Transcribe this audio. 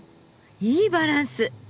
いいバランス。